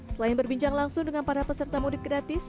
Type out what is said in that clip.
selain berbincang langsung dengan para peserta mudik gratis